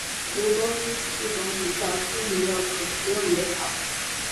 蒲公英是一种比较知名的可食用野草。